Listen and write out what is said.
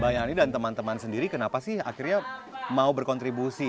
bang yani dan teman teman sendiri kenapa sih akhirnya mau berkontribusi